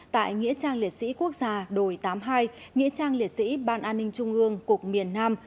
tại nghĩa trang liệt sĩ quốc gia đổi tám mươi hai nghĩa trang liệt sĩ ban an ninh trung ương cục miền nam